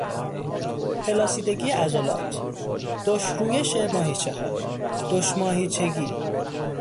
پلاسیدگی عضلات، دشرویش ماهیچهها، دشماهیچگی